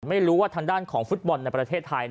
ไม่รู้ว่าทางด้านของฟุตบอลในประเทศไทย